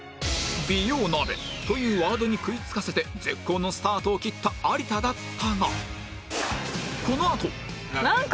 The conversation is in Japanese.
美容鍋というワードに食いつかせて絶好のスタートを切った有田だったがこのあと